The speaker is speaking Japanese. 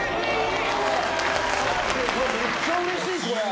めっちゃうれしいこれ。